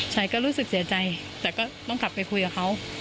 ใช่ก็รู้สึกเสียใจแต่ก็ต้องกลับไปคุยกับเขา